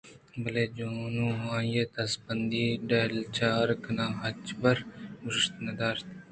بلے جونوءَ آئی ءِ دزبندی ڈالچار کنان ءُ ہچبر گوش نہ داشت